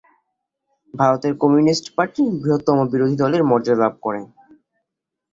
ভারতের Communist Party বৃহত্তম বিরোধী দলের মর্যাদা লাভ করে।